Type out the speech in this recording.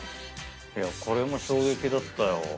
これも衝撃だったよ。